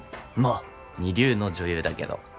まあ二流の女優だけど。